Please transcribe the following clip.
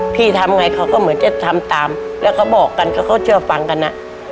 พี่ทำไงเขาก็เหมือนจะทำตามแล้วเขาบอกกันเขาเชื่อฟังกันอ่ะ